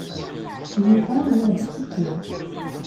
Yuba yuɣ-d atiki.